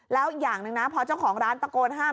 แล้วอย่างหนึ่งนะพอเจ้าของร้านตะโกนห้าม